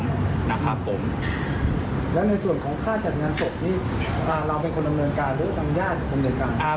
แล้วในส่วนของค่าจัดงานศพนี่เราเป็นคนดำเนินการหรือจำญาติคนดำเนินการ